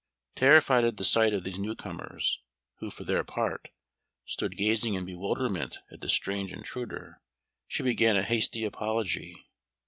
Terrified at the sight of these newcomers, who, for their part, stood gazing in bewilderment at this strange intruder, she began a hasty apology.